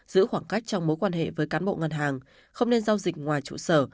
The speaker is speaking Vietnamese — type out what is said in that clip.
giữ khoảng cách trong mối quan hệ với cán bộ ngân hàng không nên giao dịch ngoài trụ sở